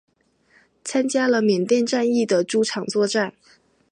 参加了缅甸战役的诸场作战。